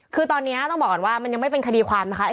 คือตอนนี้ต้องบอกก่อนว่ามันยังไม่เป็นคดีความนะคะ